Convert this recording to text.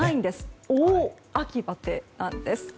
大秋バテなんです。